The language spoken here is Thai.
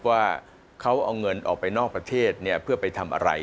ว่าเขาเอาเงินออกไปนอกประเทศเพื่อไปทำอะไร